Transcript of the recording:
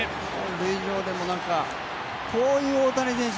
塁上でもこういう大谷選手